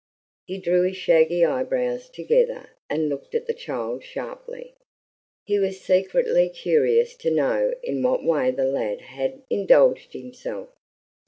He drew his shaggy eyebrows together and looked at the child sharply. He was secretly curious to know in what way the lad had indulged himself.